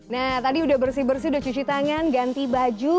nah tadi udah bersih bersih udah cuci tangan ganti baju